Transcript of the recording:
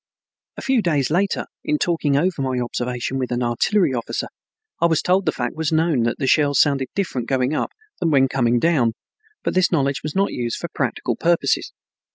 A few days later, in talking over my observation with an artillery officer, I was told the fact was known that the shells sounded different going up than when coming down, but this knowledge was not used for practical purposes.